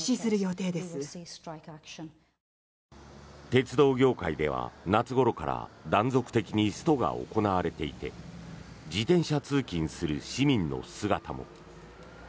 鉄道業界では夏ごろから断続的にストが行われていて自転車通勤する市民の姿も。